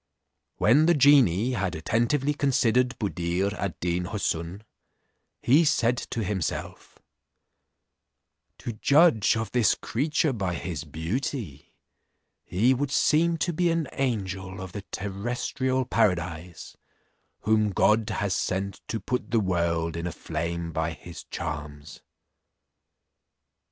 When the genie had attentively considered Buddir ad Deen Houssun, he said to himself, "To judge of this creature by his beauty, he would seem to be an angel of the terrestrial paradise, whom God has sent to put the world in a flame by his charms."